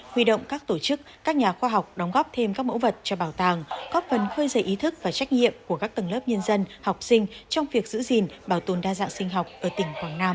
huy động các tổ chức các nhà khoa học đóng góp thêm các mẫu vật cho bảo tàng góp phần khơi dày ý thức và trách nhiệm của các tầng lớp nhân dân học sinh trong việc giữ gìn bảo tồn đa dạng sinh học ở tỉnh quảng nam